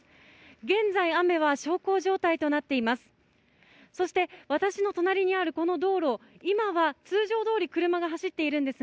現在、雨は小康状態となっています。